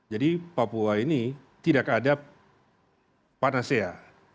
jadi papua ini tidak ada panacea